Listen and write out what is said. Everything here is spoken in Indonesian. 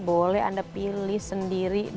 boleh anda pilih sendiri